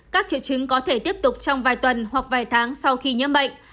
các triệu chứng có thể tiếp tục trong vài tuần hoặc vài tháng sau khi nhiễm bệnh